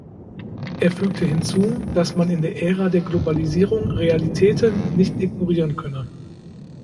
Er fügte hinzu, dass man in der Ära der Globalisierung Realitäten nicht ignorieren könne.